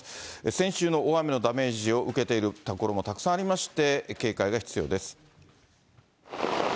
先週の大雨のダメージを受けている所もたくさんありまして、警戒が必要です。